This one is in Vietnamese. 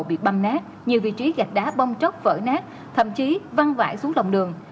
bị băm nát nhiều vị trí gạch đá bông tróc vỡ nát thậm chí văng vãi xuống lồng đường